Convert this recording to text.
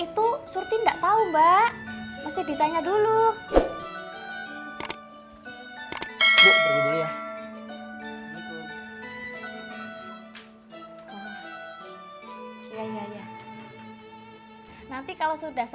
terima kasih kang